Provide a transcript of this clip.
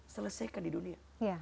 selesaikan di dunia